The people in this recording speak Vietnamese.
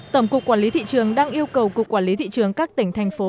tổng cục quản lý thị trường đang yêu cầu cục quản lý thị trường các tỉnh thành phố